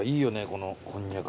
このこんにゃく。